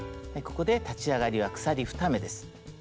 ここで立ち上がりは鎖２目です。